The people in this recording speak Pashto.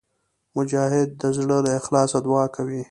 مجاهد د زړه له اخلاصه دعا کوي.